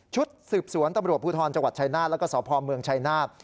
ชุดสืบสวนตำรวจภูทรจังหวัดชายนาฏแล้วก็สพเมืองชายนาฏ